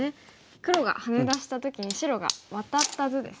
黒がハネ出した時に白がワタった図ですね。